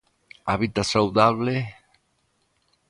Hábitat saudable?